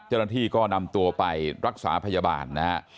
เจ้าหน้าที่ก็นำตัวไปรักษาพยาบาลนะฮะ